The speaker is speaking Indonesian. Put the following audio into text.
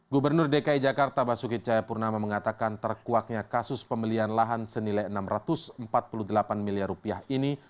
gubernur dki jakarta basuki cahayapurnama mengatakan terkuaknya kasus pembelian lahan senilai enam ratus empat puluh delapan miliar rupiah ini